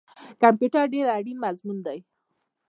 کمپیوټر ډیر اړین مضمون دی